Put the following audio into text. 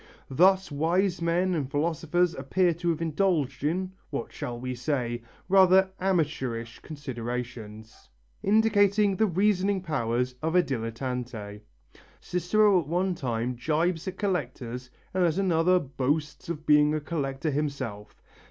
Thus wise men and philosophers appear to have indulged in what shall we say? rather amateurish considerations, indicating the reasoning powers of a dilettante. Cicero at one time gibes at collectors and at another boasts of being a collector himself.